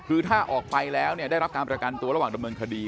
คือถ้าออกไปแล้วได้รับการประกันตัวระหว่างดำเนินคดี